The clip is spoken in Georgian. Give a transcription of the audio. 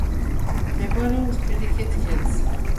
მდებარეობს პირიქით ქედზე.